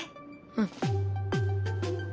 うん。